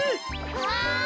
わい！